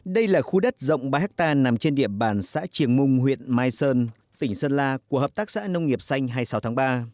đây là khu đất rộng ba hectare nằm trên địa bàn xã triềng mung huyện mai sơn tỉnh sơn la của hợp tác xã nông nghiệp xanh hai mươi sáu tháng ba